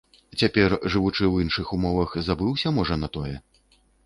Цяпер, жывучы ў іншых умовах, забыўся, можа, на тое?